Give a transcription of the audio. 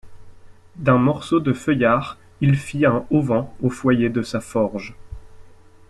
D’un morceau de feuillard il fit un auvent au foyer de sa forge.